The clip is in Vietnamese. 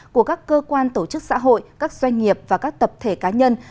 của các cơ quan tổ chức xã hội các doanh nghiệp và các tập thể cá nhân